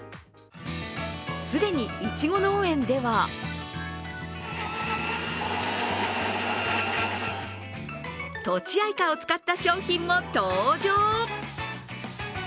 既にいちご農園ではとちあいかを使った商品も登場。